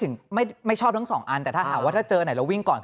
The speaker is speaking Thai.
คือไม่ชอบทั้ง๒อันแต่ถ้าถามว่าเจอไหนเราวิ่งก่อน